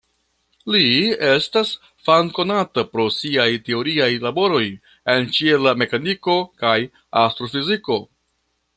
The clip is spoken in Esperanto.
Li estas famkonata pro siaj teoriaj laboroj en ĉiela mekaniko kaj astrofiziko.